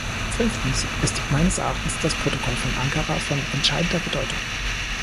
Fünftens ist meines Erachtens das Protokoll von Ankara von entscheidender Bedeutung.